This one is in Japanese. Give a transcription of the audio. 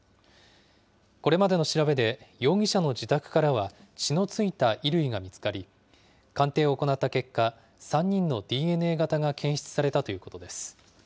これまでの調べで、容疑者の自宅からは血の付いた衣類が見つかり、鑑定を行った結果、３人のＤＮＡ型が検出されたということです。